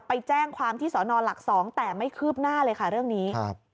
ไปแจ้งความที่สอนอหลัก๒แต่ไม่คืบหน้าเลยค่ะเรื่องนี้